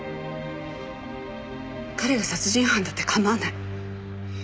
彼が殺人犯だって構わない。